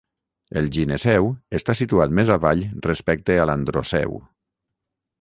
El gineceu està situat més avall respecte a l'androceu.